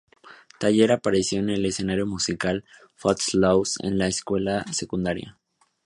Teller apareció en el escenario musical Footloose en la escuela secundaria.